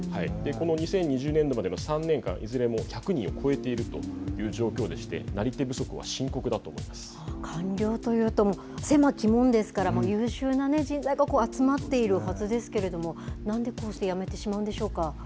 ２０２０年度までの３年間いずれも１００人を超えているという状況でしてなり手不足は官僚というと狭き門ですから優秀な人材が集まっているはずですけれども何でこうして辞めてしまうんでしょうか。